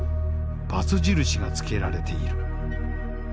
バツ印がつけられている。